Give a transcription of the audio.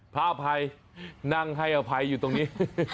พระอภัยนั่งให้อภัยอยู่ตรงนี้